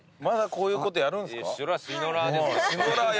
まだこういうことやるんですか？